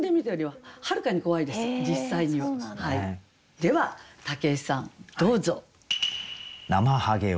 では武井さんどうぞ。